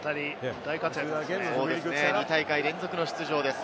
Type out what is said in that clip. ２大会連続の出場です。